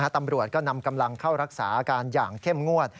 ตำรวจก็นำกำลังเข้ารักษาอาการอย่างเข้มงวด